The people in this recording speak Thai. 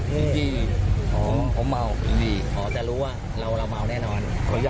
มาจากกรุงเทพฯอ๋อผมเมาอ๋อแต่รู้ว่าเราเราเมาแน่นอน